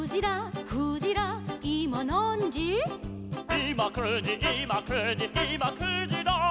「いま９じいま９じいま９じら」